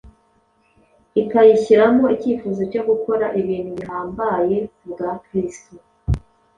ikayishyiramo icyifuzo cyo gukora ibintu bihambaye ku bwa Kristo.